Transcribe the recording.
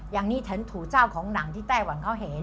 อย่างนี้ฉันถูกเจ้าของหนังที่ไต้หวันเขาเห็น